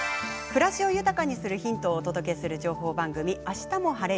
暮らしを豊かにするヒントをお届けする情報番組「あしたも晴れ！